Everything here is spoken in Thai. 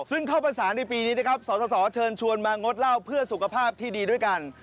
ซึ่งเข้าประสานในปีนี้นะครับสสเชิญชวนมางดเหล้าเพื่อสุขภาพที่ดีด้วยกัน